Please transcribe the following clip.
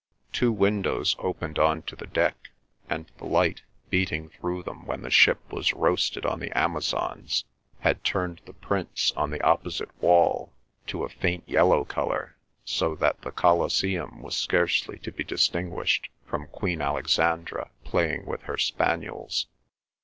Two windows opened on to the deck, and the light beating through them when the ship was roasted on the Amazons had turned the prints on the opposite wall to a faint yellow colour, so that "The Coliseum" was scarcely to be distinguished from Queen Alexandra playing with her Spaniels.